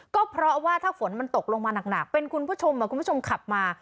ก็เพราะว่าถ้าฝนมันตกลงมาหนักเป็นคุณผู้ชมคุณผู้ชมขับมา